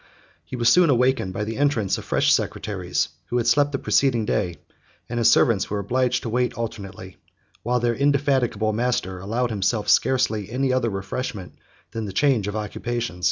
50 He was soon awakened by the entrance of fresh secretaries, who had slept the preceding day; and his servants were obliged to wait alternately while their indefatigable master allowed himself scarcely any other refreshment than the change of occupation.